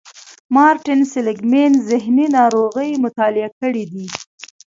مارټين سېليګ مېن ذهني ناروغۍ مطالعه کړې دي.